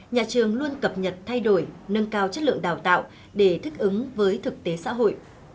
nhà trường luôn cập nhật thay đổi nâng cao chất lượng đào tạo để thích ứng với thực tế xã hội